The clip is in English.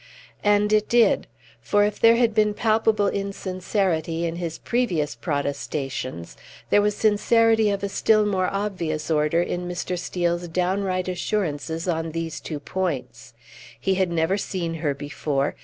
And it did; for if there had been palpable insincerity in his previous protestations, there was sincerity of a still more obvious order in Mr. Steel's downright assurances on these two points. He had never ever seen her before.